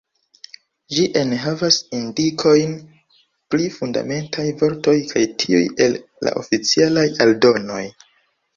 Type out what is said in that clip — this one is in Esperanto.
Ĝi enhavas indikojn pri Fundamentaj vortoj kaj tiuj el la Oficialaj Aldonoj.